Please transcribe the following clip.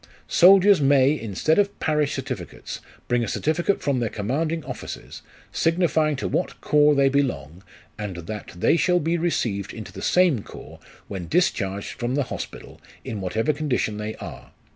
Soldiers may, instead of parish certificates, bring a certificate from their commanding officers, signifying to what corps they belong, and that they shall be received into the same corps, when discharged from the Hospital in whatever condition they are.